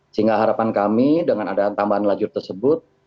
sehingga harapan kami dengan ada tambahan lajur tersebut